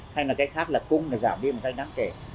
hay là cái khác là cung nó giảm đi một cách đáng kể